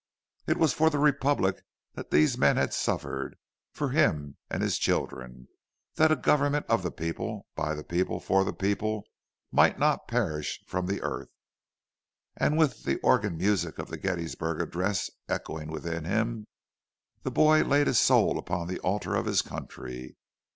It was for the Republic that these men had suffered; for him and his children—that a government of the people, by the people, for the people, might not perish from the earth. And with the organ music of the Gettysburg Address echoing within him, the boy laid his soul upon the altar of his country.